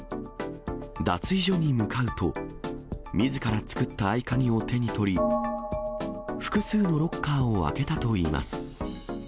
脱衣所に向かうと、みずから作った合鍵を手に取り、複数のロッカーを開けたといいます。